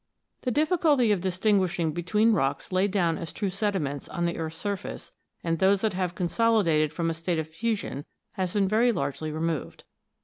The difficulty of distinguishing between rocks laid down as true sediments on the earth's surface and those that have consolidated from a state of fusion has been very largely removed.